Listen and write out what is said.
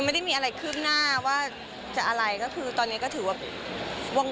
ไม่ไซฟาไม่รู้ว่าจะใช่จริง